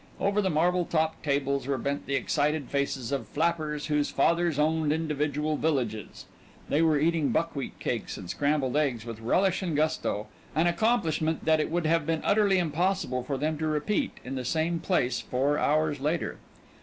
Over the marble topped tables were bent the excited faces of flappers whose fathers owned individual villages. They were eating buckwheat cakes and scrambled eggs with relish and gusto, an accomplishment that it would have been utterly impossible for them to repeat in the same place four hours later.